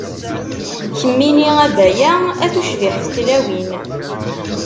Kemmini a Baya, a tucbiḥt n tlawin.